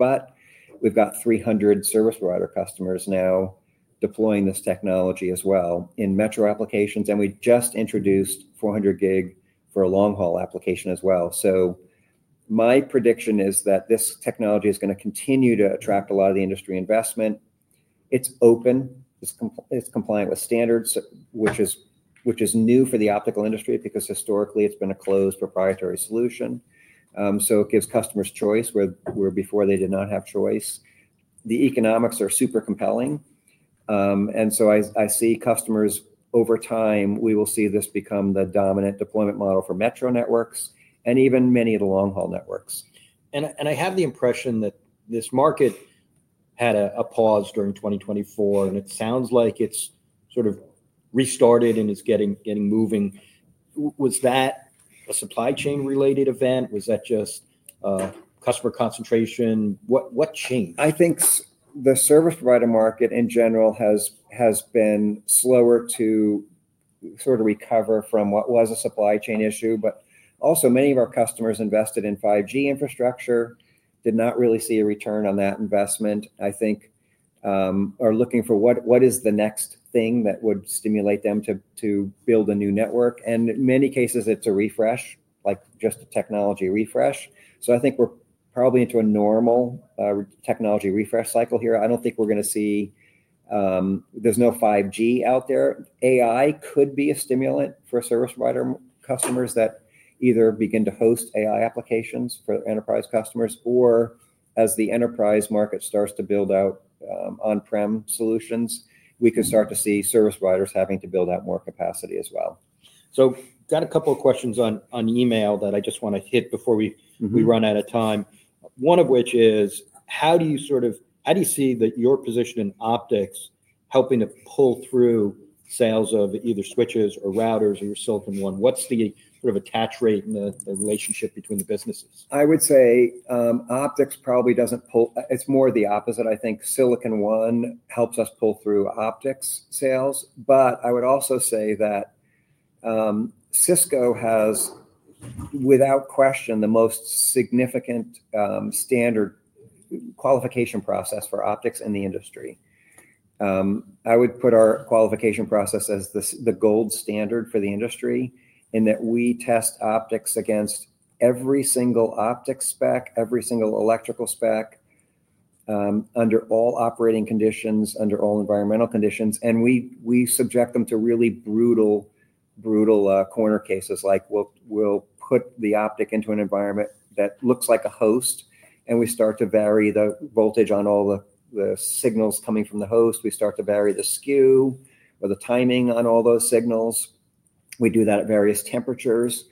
We have 300 service provider customers now deploying this technology as well in metro applications. We just introduced 400 gig for a long-haul application as well. My prediction is that this technology is going to continue to attract a lot of the industry investment. It is open. It is compliant with standards, which is new for the optical industry because historically it has been a closed proprietary solution. It gives customers choice where before they did not have choice. The economics are super compelling. I see customers over time, we will see this become the dominant deployment model for metro networks and even many of the long-haul networks. I have the impression that this market had a pause during 2024. It sounds like it has sort of restarted and it is getting moving. Was that a supply chain-related event? Was that just customer concentration? What changed? I think the service provider market in general has been slower to sort of recover from what was a supply chain issue. Also, many of our customers invested in 5G infrastructure did not really see a return on that investment, I think, or looking for what is the next thing that would stimulate them to build a new network. In many cases, it's a refresh, like just a technology refresh. I think we're probably into a normal technology refresh cycle here. I don't think we're going to see—there's no 5G out there. AI could be a stimulant for service provider customers that either begin to host AI applications for enterprise customers or as the enterprise market starts to build out on-prem solutions, we could start to see service providers having to build out more capacity as well. I got a couple of questions on email that I just want to hit before we run out of time. One of which is, how do you sort of—how do you see your position in optics helping to pull through sales of either switches or routers or your Silicon One? What's the sort of attach rate and the relationship between the businesses? I would say optics probably does not pull--it is more the opposite. I think Silicon One helps us pull through optics sales. I would also say that Cisco has, without question, the most significant standard qualification process for optics in the industry. I would put our qualification process as the gold standard for the industry in that we test optics against every single optic spec, every single electrical spec, under all operating conditions, under all environmental conditions. We subject them to really brutal, brutal corner cases. Like we will put the optic into an environment that looks like a host, and we start to vary the voltage on all the signals coming from the host. We start to vary the skew or the timing on all those signals. We do that at various temperatures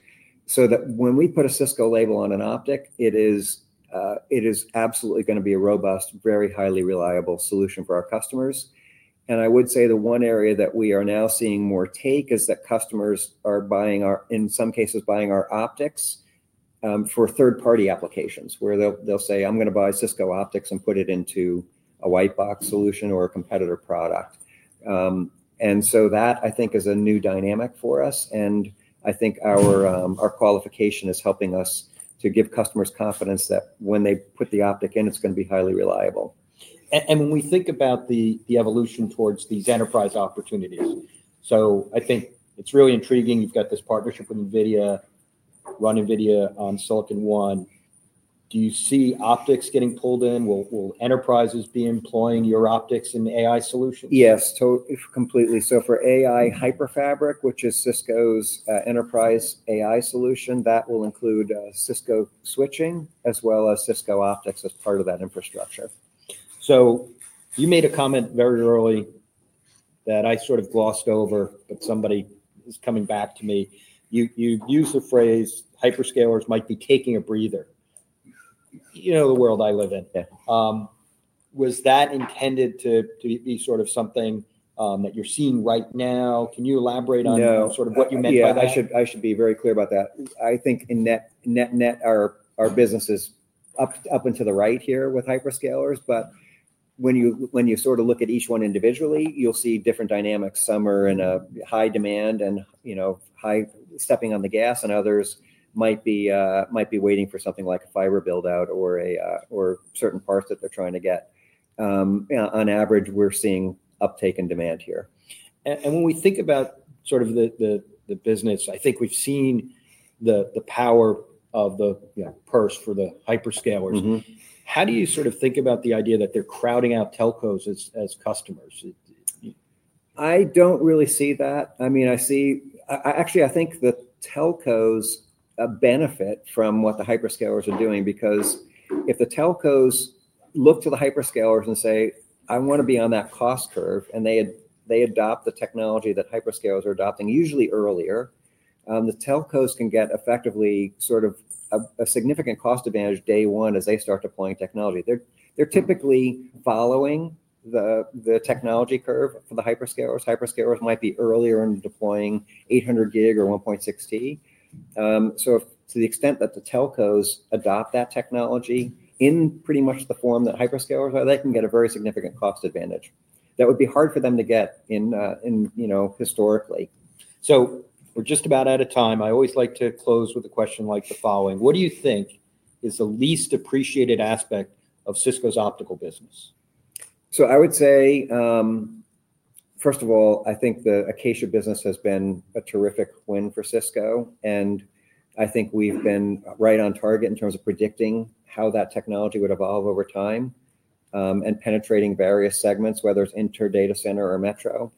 so that when we put a Cisco label on an optic, it is absolutely going to be a robust, very highly reliable solution for our customers. I would say the one area that we are now seeing more take is that customers are buying, in some cases, buying our optics for third-party applications where they'll say, "I'm going to buy Cisco optics and put it into a white box solution or a competitor product." That, I think, is a new dynamic for us. I think our qualification is helping us to give customers confidence that when they put the optic in, it's going to be highly reliable. When we think about the evolution towards these enterprise opportunities, I think it's really intriguing. You've got this partnership with NVIDIA, run NVIDIA on Silicon One. Do you see optics getting pulled in? Will enterprises be employing your optics and AI solutions? Yes, completely. For AI Hyperfabric, which is Cisco's enterprise AI solution, that will include Cisco switching as well as Cisco optics as part of that infrastructure. You made a comment very early that I sort of glossed over, but somebody is coming back to me. You use the phrase hyperscalers might be taking a breather. You know the world I live in. Was that intended to be sort of something that you're seeing right now? Can you elaborate on sort of what you meant by that? Yeah, I should be very clear about that. I think in net-net our business is up and to the right here with hyperscalers. When you sort of look at each one individually, you'll see different dynamics. Some are in a high demand and stepping on the gas, and others might be waiting for something like a fiber buildout or certain parts that they're trying to get. On average, we're seeing uptake and demand here. When we think about sort of the business, I think we've seen the power of the purse for the hyperscalers. How do you sort of think about the idea that they're crowding out telcos as customers? I don't really see that. I mean, I see—actually, I think the telcos benefit from what the hyperscalers are doing because if the telcos look to the hyperscalers and say, "I want to be on that cost curve," and they adopt the technology that hyperscalers are adopting, usually earlier, the telcos can get effectively sort of a significant cost advantage day one as they start deploying technology. They're typically following the technology curve for the hyperscalers. Hyperscalers might be earlier in deploying 800 gig or 1.6T. To the extent that the telcos adopt that technology in pretty much the form that hyperscalers are, they can get a very significant cost advantage. That would be hard for them to get in historically. We're just about out of time. I always like to close with a question like the following. What do you think is the least appreciated aspect of Cisco's optical business? I would say, first of all, I think the Acacia business has been a terrific win for Cisco. I think we've been right on target in terms of predicting how that technology would evolve over time and penetrating various segments, whether it's inter-data center or metro.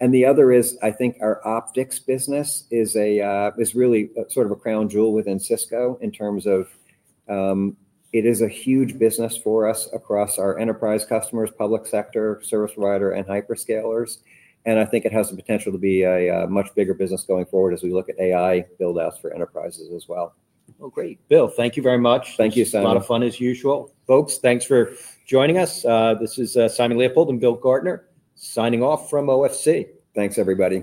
The other is, I think our optics business is really sort of a crown jewel within Cisco in terms of it is a huge business for us across our enterprise customers, public sector, service provider, and hyperscalers. I think it has the potential to be a much bigger business going forward as we look at AI buildouts for enterprises as well. Great. Bill, thank you very much. Thank you, Simon. A lot of fun as usual. Folks, thanks for joining us. This is Simon Leopold and Bill Gartner signing off from OFC. Thanks, everybody.